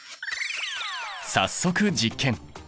早速実験。